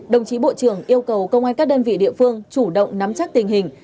đồng chí bộ trưởng yêu cầu công an các đơn vị địa phương chủ động nắm chắc tình hình